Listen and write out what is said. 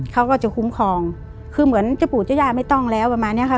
เขาก็จะคุ้มครองคือเหมือนเจ้าปู่เจ้าย่าไม่ต้องแล้วประมาณเนี้ยค่ะ